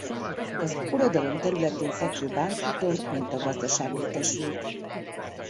Az uradalom területén fekvő Bánkúton mintagazdaság létesült.